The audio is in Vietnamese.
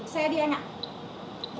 xe đi anh ạ